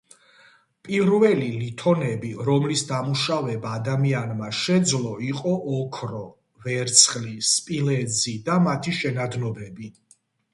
პირველი ლითონები რომლის დამუშავება ადამიანმა შეძლო იყო ოქრო, ვერცხლი, სპილენძი და მათი შენადნობები.